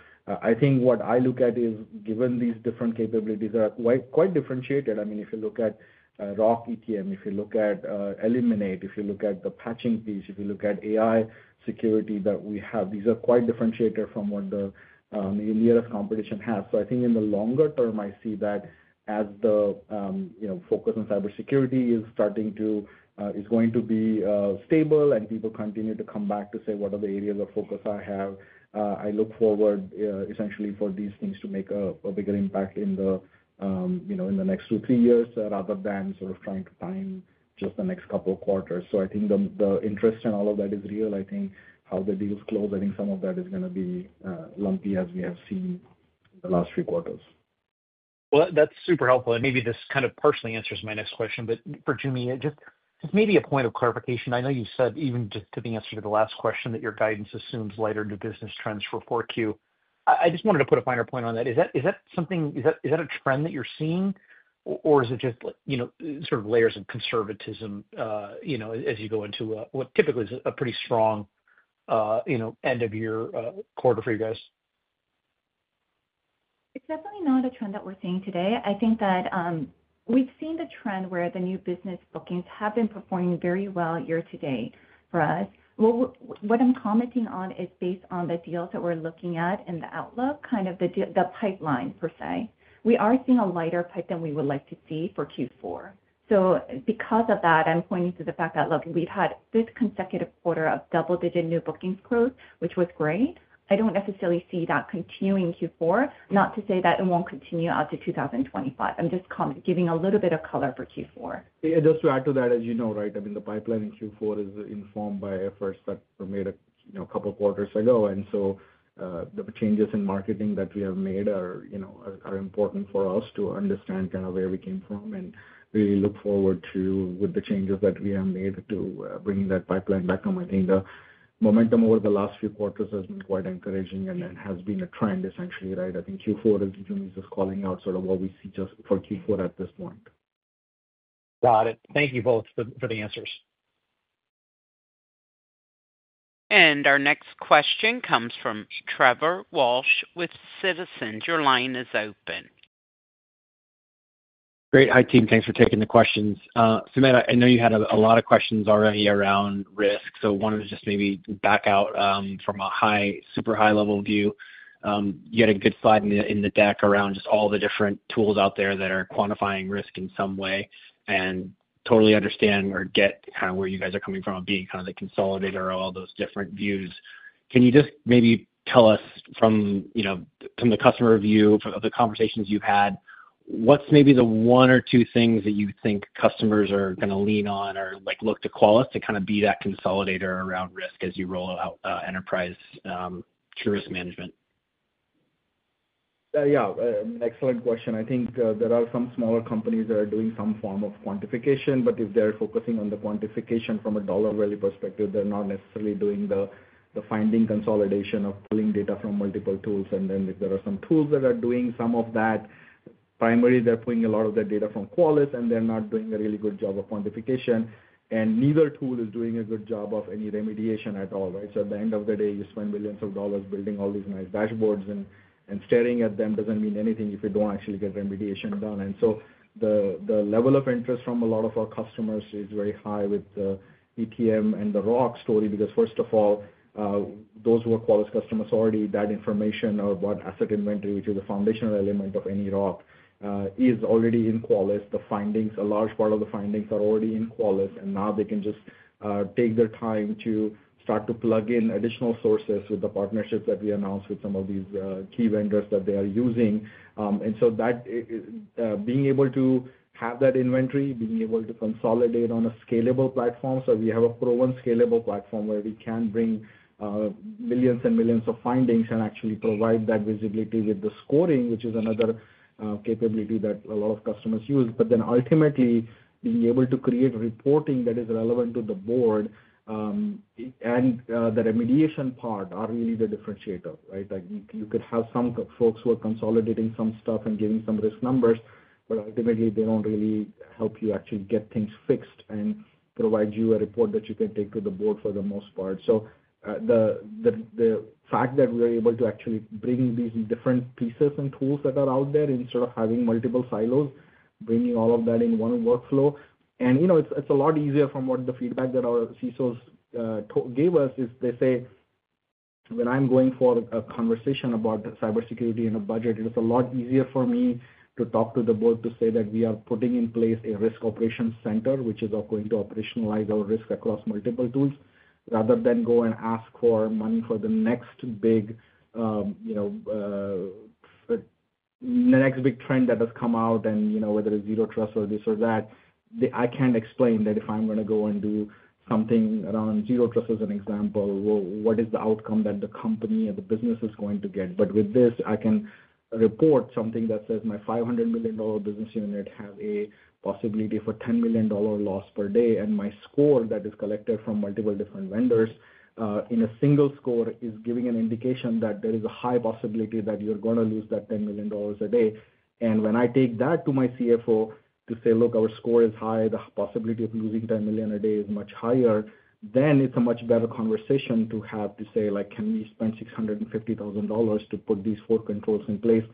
I think what I look at is given these different capabilities are quite differentiated. I mean, if you look at ROC ETM, if you look at Eliminate, if you look at the patching piece, if you look at AI security that we have, these are quite differentiated from what the nearest competition has. So I think in the longer term, I see that as the focus on cybersecurity is going to be stable and people continue to come back to say, "What are the areas of focus I have?" I look forward essentially for these things to make a bigger impact in the next two, three years rather than sort of trying to time just the next couple of quarters. So I think the interest in all of that is real. I think how the deals close, I think some of that is going to be lumpy as we have seen in the last few quarters. Well, that's super helpful. And maybe this kind of partially answers my next question, but for Joo Mi, just maybe a point of clarification. I know you said even just to the answer to the last question that your guidance assumes lighter new business trends for Q4. I just wanted to put a finer point on that. Is that something? Is that a trend that you're seeing, or is it just sort of layers of conservatism as you go into what typically is a pretty strong end of year quarter for you guys? It's definitely not a trend that we're seeing today. I think that we've seen the trend where the new business bookings have been performing very well year to date for us. What I'm commenting on is based on the deals that we're looking at and the outlook, kind of the pipeline per se. We are seeing a lighter pipe than we would like to see for Q4. So because of that, I'm pointing to the fact that, look, we've had this consecutive quarter of double-digit new bookings growth, which was great. I don't necessarily see that continuing Q4, not to say that it won't continue out to 2025. I'm just giving a little bit of color for Q4. Just to add to that, as you know, right, I mean, the pipeline in Q4 is informed by efforts that were made a couple of quarters ago. And so the changes in marketing that we have made are important for us to understand kind of where we came from and really look forward to with the changes that we have made to bring that pipeline back. I think the momentum over the last few quarters has been quite encouraging and has been a trend essentially, right? I think Q4 is. Joo Mi's just calling out sort of what we see just for Q4 at this point. Got it. Thank you both for the answers. Our next question comes from Trevor Walsh with Citizens JMP. Your line is open. Great. Hi, team. Thanks for taking the questions. Sumedh, I know you had a lot of questions already around risk. So I wanted to just maybe back out from a super high-level view. You had a good slide in the deck around just all the different tools out there that are quantifying risk in some way. Totally understand or get kind of where you guys are coming from being kind of the consolidator of all those different views. Can you just maybe tell us from the customer view of the conversations you've had, what's maybe the one or two things that you think customers are going to lean on or look to Qualys to kind of be that consolidator around risk as you roll out Enterprise TruRisk Management? Yeah. Excellent question. I think there are some smaller companies that are doing some form of quantification, but if they're focusing on the quantification from a dollar value perspective, they're not necessarily doing the finding consolidation of pulling data from multiple tools. And then if there are some tools that are doing some of that, primarily they're pulling a lot of their data from Qualys, and they're not doing a really good job of quantification. And neither tool is doing a good job of any remediation at all, right? So at the end of the day, you spend millions of dollars building all these nice dashboards, and staring at them doesn't mean anything if you don't actually get remediation done. And so the level of interest from a lot of our customers is very high with the ETM and the ROC story because, first of all, those who are Qualys customers already that information or what asset inventory, which is a foundational element of any ROC, is already in Qualys. The findings, a large part of the findings are already in Qualys, and now they can just take their time to start to plug in additional sources with the partnerships that we announced with some of these key vendors that they are using. And so being able to have that inventory, being able to consolidate on a scalable platform. So we have a proven scalable platform where we can bring millions and millions of findings and actually provide that visibility with the scoring, which is another capability that a lot of customers use. But then ultimately, being able to create reporting that is relevant to the board and the remediation part are really the differentiator, right? You could have some folks who are consolidating some stuff and giving some risk numbers, but ultimately, they don't really help you actually get things fixed and provide you a report that you can take to the board for the most part. So the fact that we are able to actually bring these different pieces and tools that are out there instead of having multiple silos, bringing all of that in one workflow. It's a lot easier from what the feedback that our CSOs gave us is they say, "When I'm going for a conversation about cybersecurity and a budget, it is a lot easier for me to talk to the board to say that we are putting in place a Risk Operations Center, which is going to operationalize our risk across multiple tools rather than go and ask for money for the next big trend that has come out, and whether it's zero trust or this or that." I can't explain that if I'm going to go and do something around zero trust as an example, what is the outcome that the company or the business is going to get? But with this, I can report something that says my $500 million business unit has a possibility for $10 million loss per day, and my score that is collected from multiple different vendors in a single score is giving an indication that there is a high possibility that you're going to lose that $10 million a day. When I take that to my CFO to say, "Look, our score is high, the possibility of losing $10 million a day is much higher," then it's a much better conversation to have to say, "Can we spend $650,000 to put these four controls in place,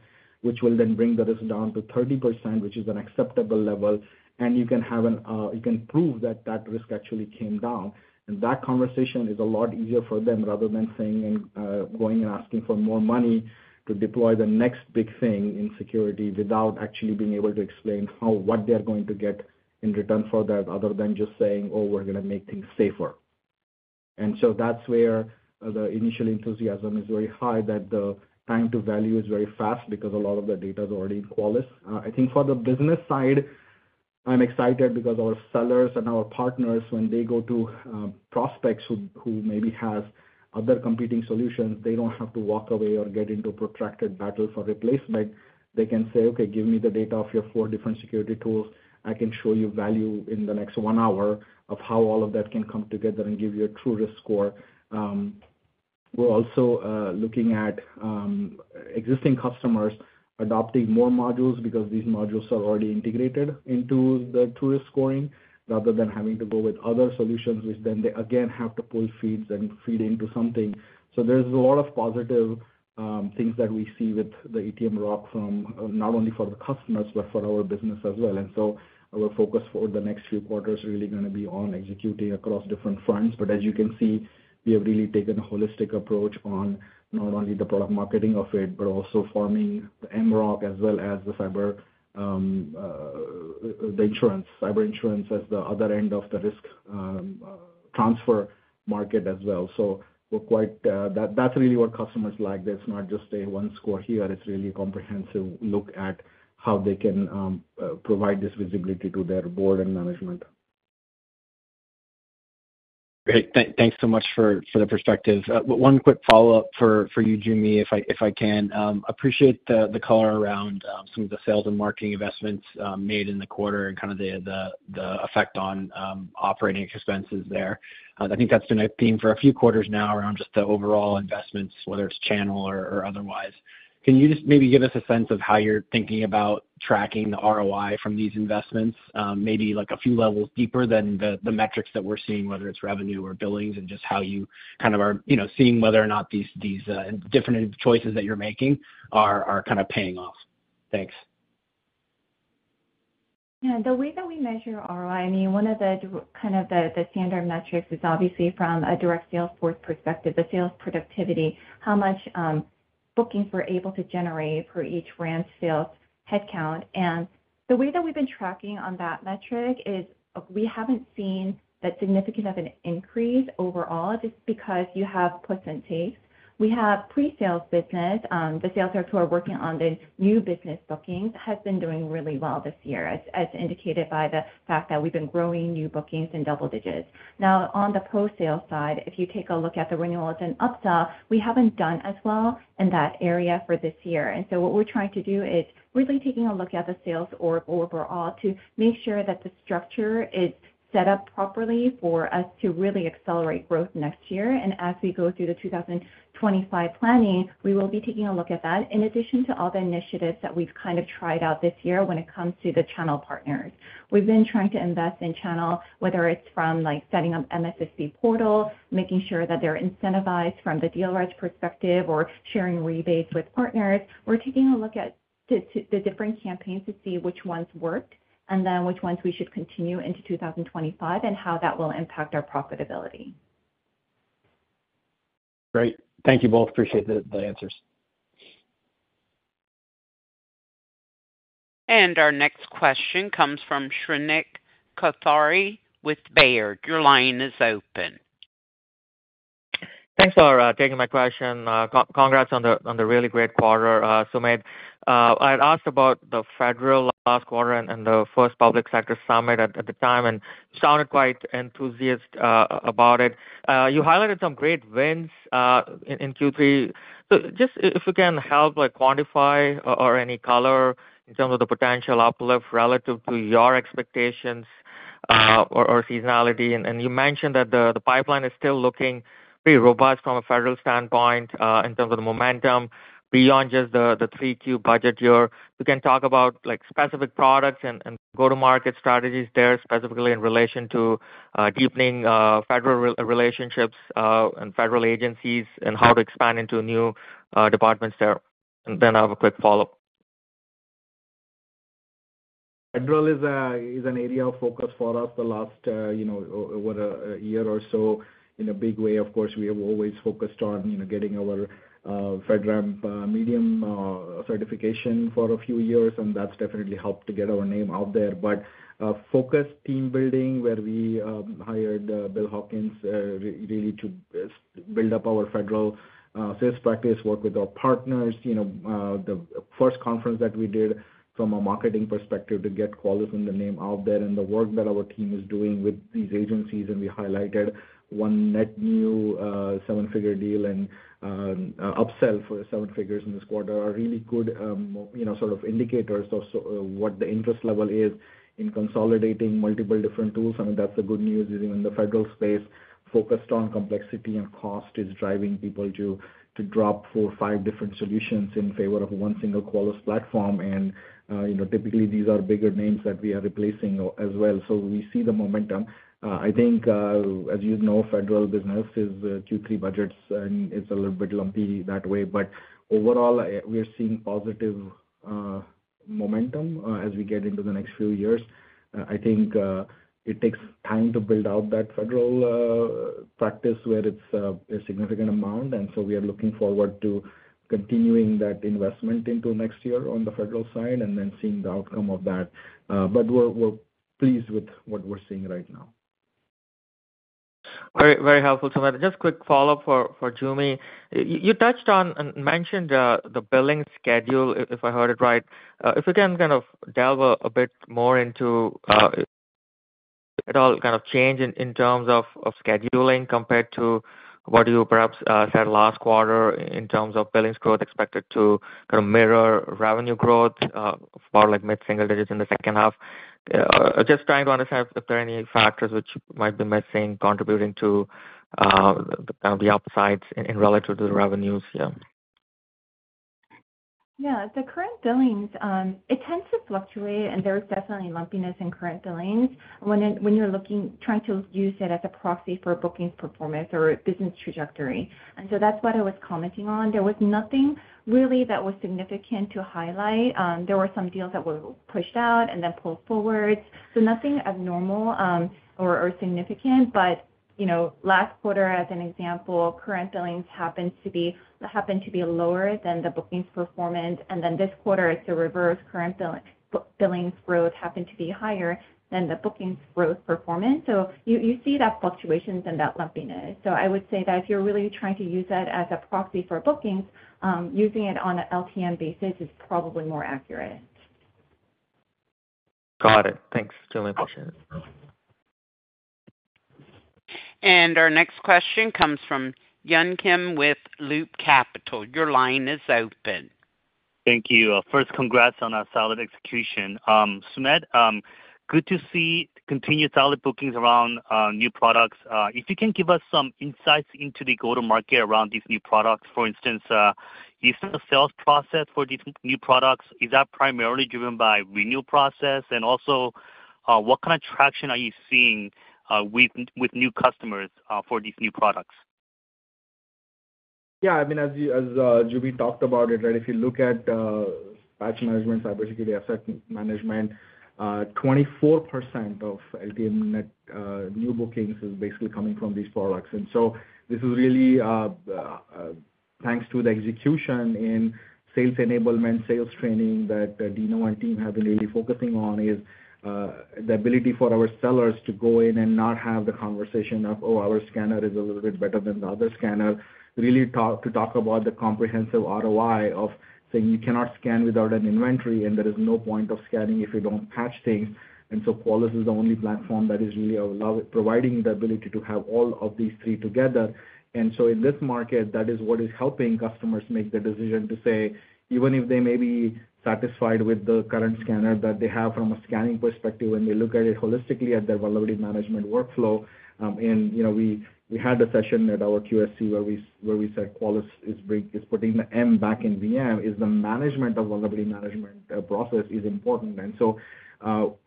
which will then bring the risk down to 30%, which is an acceptable level, and you can prove that that risk actually came down?" And that conversation is a lot easier for them rather than going and asking for more money to deploy the next big thing in security without actually being able to explain what they are going to get in return for that other than just saying, "Oh, we're going to make things safer." And so that's where the initial enthusiasm is very high that the time to value is very fast because a lot of the data is already in Qualys. I think for the business side, I'm excited because our sellers and our partners, when they go to prospects who maybe have other competing solutions, they don't have to walk away or get into a protracted battle for replacement. They can say, "Okay, give me the data of your four different security tools. I can show you value in the next one hour of how all of that can come together and give you a TruRisk score." We're also looking at existing customers adopting more modules because these modules are already integrated into the TruRisk scoring rather than having to go with other solutions, which then they again have to pull feeds and feed into something. So there's a lot of positive things that we see with the ETM ROC from not only for the customers, but for our business as well. And so our focus for the next few quarters is really going to be on executing across different fronts. But as you can see, we have really taken a holistic approach on not only the product marketing of it, but also forming the MROC as well as the insurance, cyber insurance as the other end of the risk transfer market as well. So that's really what customers like. It's not just a one score here. It's really a comprehensive look at how they can provide this visibility to their board and management. Great. Thanks so much for the perspective. One quick follow-up for you, Joo Mi, if I can. Appreciate the color around some of the sales and marketing investments made in the quarter and kind of the effect on operating expenses there. I think that's been a theme for a few quarters now around just the overall investments, whether it's channel or otherwise. Can you just maybe give us a sense of how you're thinking about tracking the ROI from these investments, maybe a few levels deeper than the metrics that we're seeing, whether it's revenue or billings and just how you kind of are seeing whether or not these different choices that you're making are kind of paying off? Thanks. Yeah. The way that we measure ROI, I mean, one of the kind of the standard metrics is obviously from a direct sales force perspective, the sales productivity, how much bookings we're able to generate per each ramped sales headcount, and the way that we've been tracking on that metric is we haven't seen that significant of an increase overall just because you have puts and takes. We have pre-sales business. The sales rep who are working on the new business bookings has been doing really well this year, as indicated by the fact that we've been growing new bookings in double digits. Now, on the post-sales side, if you take a look at the renewals and upsell, we haven't done as well in that area for this year. And so what we're trying to do is really taking a look at the sales org overall to make sure that the structure is set up properly for us to really accelerate growth next year. And as we go through the 2025 planning, we will be taking a look at that in addition to all the initiatives that we've kind of tried out this year when it comes to the channel partners. We've been trying to invest in channel, whether it's from setting up MSSP portal, making sure that they're incentivized from the deal rights perspective, or sharing rebates with partners. We're taking a look at the different campaigns to see which ones worked and then which ones we should continue into 2025 and how that will impact our profitability. Great. Thank you both. Appreciate the answers. And our next question comes from Shrenik Kothari with Baird. Your line is open. Thanks for taking my question. Congrats on the really great quarter, Sumedh. I had asked about the federal last quarter and the first public sector summit at the time and sounded quite enthusiastic about it. You highlighted some great wins in Q3. So just if you can help quantify or any color in terms of the potential uplift relative to your expectations or seasonality. And you mentioned that the pipeline is still looking pretty robust from a federal standpoint in terms of the momentum beyond just the 3Q budget year. You can talk about specific products and go-to-market strategies there specifically in relation to deepening federal relationships and federal agencies and how to expand into new departments there. And then I have a quick follow-up. Federal is an area of focus for us the last over a year or so. In a big way, of course, we have always focused on getting our FedRAMP medium certification for a few years, and that's definitely helped to get our name out there. But focused team building where we hired Bill Hawkins really to build up our federal sales practice, work with our partners. The first conference that we did from a marketing perspective to get Qualys and the name out there and the work that our team is doing with these agencies, and we highlighted one net new seven-figure deal and upsell for seven figures in this quarter, are really good sort of indicators of what the interest level is in consolidating multiple different tools. I mean, that's the good news is even in the federal space, focused on complexity and cost is driving people to drop four or five different solutions in favor of one single Qualys platform, and typically, these are bigger names that we are replacing as well, so we see the momentum. I think, as you know, federal business is Q3 budgets is a little bit lumpy that way, but overall, we're seeing positive momentum as we get into the next few years. I think it takes time to build out that federal practice where it's a significant amount. And so we are looking forward to continuing that investment into next year on the federal side and then seeing the outcome of that. But we're pleased with what we're seeing right now. All right. Very helpful. Just quick follow-up for Joo Mi. You touched on and mentioned the billing schedule, if I heard it right. If you can kind of delve a bit more into at all kind of change in terms of scheduling compared to what you perhaps said last quarter in terms of billings growth expected to kind of mirror revenue growth for mid-single digits in the second half. Just trying to understand if there are any factors which might be missing contributing to kind of the upsides in relative to the revenues. Yeah. Yeah. The current billings, it tends to fluctuate, and there's definitely lumpiness in current billings when you're trying to use it as a proxy for bookings performance or business trajectory. And so that's what I was commenting on. There was nothing really that was significant to highlight. There were some deals that were pushed out and then pulled forward. So nothing abnormal or significant. But last quarter, as an example, current billings happened to be lower than the bookings performance. And then this quarter, it's the reverse. Current billings growth happened to be higher than the bookings growth performance. So you see those fluctuations and that lumpiness. So I would say that if you're really trying to use that as a proxy for bookings, using it on an LTM basis is probably more accurate. Got it. Thanks. Really appreciate it. And our next question comes from Yun Kim with Loop Capital. Your line is open. Thank you. First, congrats on our solid execution. Sumedh, good to see continued solid bookings around new products. If you can give us some insights into the go-to-market around these new products. For instance, is the sales process for these new products, is that primarily driven by renewal process? And also, what kind of traction are you seeing with new customers for these new products? Yeah. I mean, as Joo Mi talked about it, right, if you look at Patch Management, CyberSecurity Asset Management, 24% of LTM net new bookings is basically coming from these products. And so, this is really thanks to the execution in sales enablement, sales training that Dino and team have been really focusing on is the ability for our sellers to go in and not have the conversation of, "Oh, our scanner is a little bit better than the other scanner," really to talk about the comprehensive ROI of saying, "You cannot scan without an inventory, and there is no point of scanning if you don't patch things." And so, Qualys is the only platform that is really providing the ability to have all of these three together. And so, in this market, that is what is helping customers make the decision to say, even if they may be satisfied with the current scanner that they have from a scanning perspective, when they look at it holistically at their vulnerability management workflow. And we had a session at our QSC where we said "Qualys is putting the M back in VM is the management of vulnerability management process is important." And so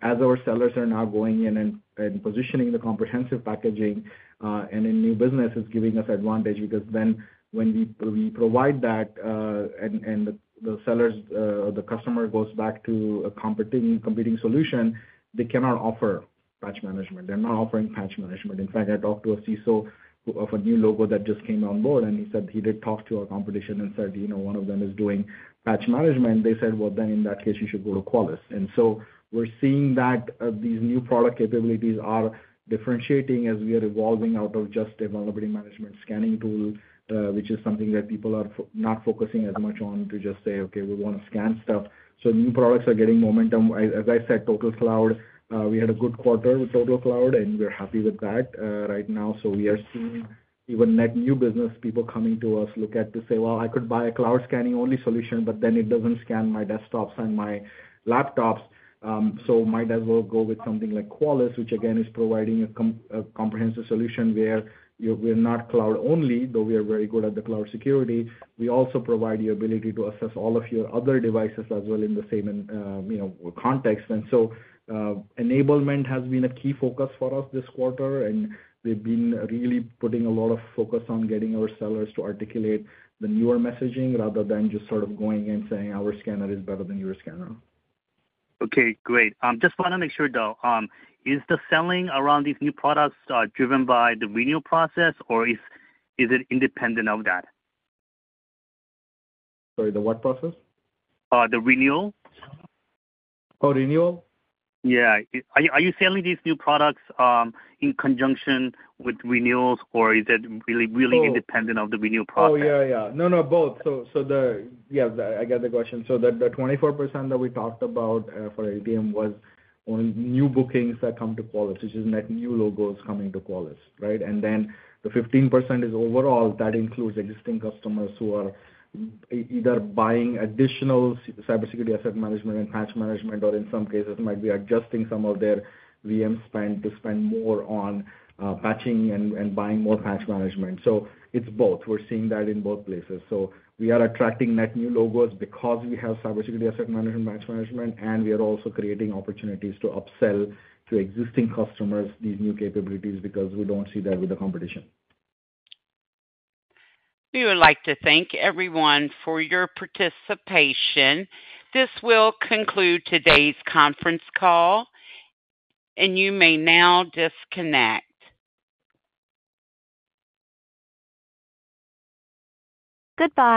as our sellers are now going in and positioning the comprehensive packaging and in new business, it's giving us advantage because then when we provide that and the customer goes back to a competing solution, they cannot offer Patch Management. They're not offering Patch Management. In fact, I talked to a CISO of a new logo that just came on board, and he said he did talk to our competition and said, "One of them is doing Patch Management." They said, "Well, then in that case, you should go to Qualys." And so we're seeing that these new product capabilities are differentiating as we are evolving out of just a vulnerability management scanning tool, which is something that people are not focusing as much on to just say, "Okay, we want to scan stuff." So new products are getting momentum. As I said, TotalCloud, we had a good quarter with TotalCloud, and we're happy with that right now. So, we are seeing even net new business people coming to us looking to say, "Well, I could buy a cloud scanning-only solution, but then it doesn't scan my desktops and my laptops." So, might as well go with something like Qualys, which again is providing a comprehensive solution where we're not cloud-only, though we are very good at the cloud security. We also provide the ability to assess all of your other devices as well in the same context. And so enablement has been a key focus for us this quarter, and we've been really putting a lot of focus on getting our sellers to articulate the newer messaging rather than just sort of going and saying, "Our scanner is better than your scanner." Okay. Great. Just want to make sure, though, is the selling around these new products driven by the renewal process, or is it independent of that? Sorry, the what process? The renewal. Oh, renewal? Yeah. Are you selling these new products in conjunction with renewals, or is it really independent of the renewal process? Oh, yeah, yeah. No, no, both. So yeah, I get the question. So the 24% that we talked about for LTM was new bookings that come to Qualys, which is net new logos coming to Qualys, right? And then the 15% is overall. That includes existing customers who are either buying additional CyberSecurity Asset Management and Patch Management, or in some cases, might be adjusting some of their VM spend to spend more on patching and buying more Patch Management. So it's both. We're seeing that in both places. So we are attracting net new logos because we have CyberSecurity Asset Management, Patch Management, and we are also creating opportunities to upsell to existing customers these new capabilities because we don't see that with the competition. We would like to thank everyone for your participation. This will conclude today's conference call, and you may now disconnect. Goodbye.